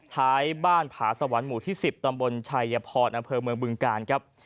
ท้ายบ้านผาสวรรค์หมู่ที่๑๐ตำบลชัยพรอำเภอเมืองบึงกาลครับ